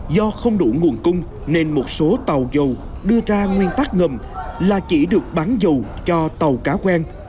do không đủ nguồn cung nên một số tàu dầu đưa ra nguyên tắc ngầm là chỉ được bán dù cho tàu cá quen